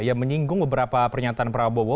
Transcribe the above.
yang menyinggung beberapa pernyataan prabowo